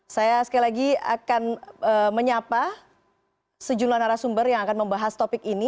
saya sekali lagi akan menyapa sejumlah narasumber yang akan membahas topik ini